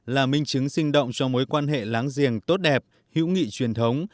là minh chứng sinh động cho mối quan hệ láng giềng tốt đẹp hữu nghị truyền thống